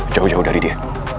jauh jauh dari dia